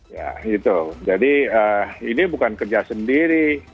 ya gitu jadi ini bukan kerja sendiri